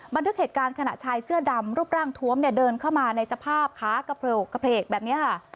บันทึกเหตุการณ์ขณะชายเสื้อดำรูปร่างทวมเนี่ยเดินเข้ามาในสภาพขากระเพลกแบบนี้ค่ะ